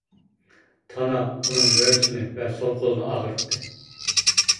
تانا ئۇنىڭ مۈرىسىنى ۋە سول قولىنى ئاغرىتتى.